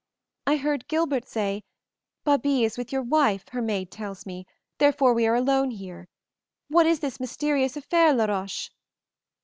I heard Gilbert say, 'Babie is with your wife, her maid tells me; therefore we are alone here. What is this mysterious affair, Laroche?'